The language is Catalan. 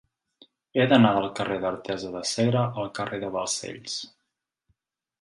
He d'anar del carrer d'Artesa de Segre al carrer de Balcells.